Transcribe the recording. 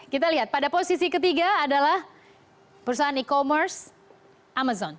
kita lihat pada posisi ketiga adalah perusahaan e commerce amazon